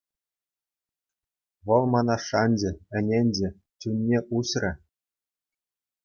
Вӑл мана шанчӗ, ӗненчӗ, чунне уҫрӗ.